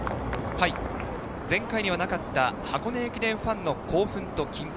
前回にはなかった箱根駅伝ファンの興奮と緊迫。